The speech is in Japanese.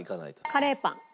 カレーパン。